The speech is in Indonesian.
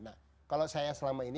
nah kalau saya selama ini